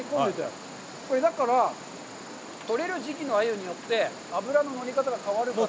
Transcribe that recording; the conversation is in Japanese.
これ、だから、取れる時期のアユによって脂の乗り方が変わるから。